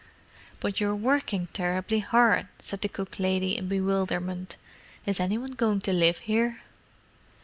"But you're working terribly hard," said the cook lady, in bewilderment. "Is any one going to live here?"